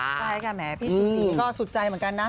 ใช่ค่ะแหมพี่สุสีก็สุดใจเหมือนกันนะ